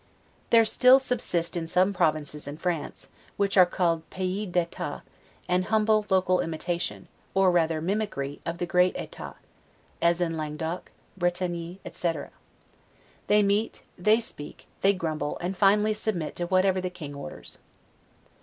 There still subsist in some provinces in France, which are called 'pais d etats', an humble local imitation, or rather mimicry, of the great 'etats', as in Languedoc, Bretagne, etc. They meet, they speak, they grumble, and finally submit to whatever the King orders.